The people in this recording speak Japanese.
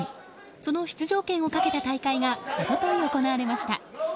その出場権をかけた大会が一昨日行われました。